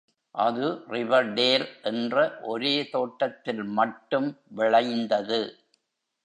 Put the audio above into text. அது Riverdale என்ற ஒரே தோட்டத்தில் மட்டும் விளைந்தது.